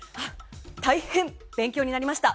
大変、勉強になりました。